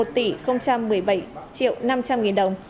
một tỷ một mươi bảy triệu năm trăm linh nghìn đồng